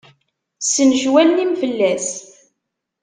Ssencew allen-im fell-as!